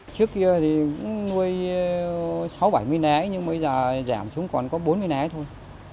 trước kia thì cũng nuôi sáu bảy mươi né nhưng bây giờ giảm xuống còn có bốn mươi né thôi